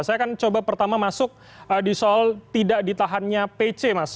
saya akan coba pertama masuk di soal tidak ditahannya pc mas